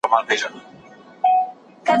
ارسطو په ښار کې د انساني ژوند په اړه خبري کړي.